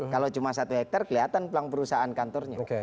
kalau cuma satu hektar kelihatan pelang perusahaan kantornya